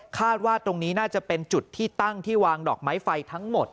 ว่าตรงนี้น่าจะเป็นจุดที่ตั้งที่วางดอกไม้ไฟทั้งหมด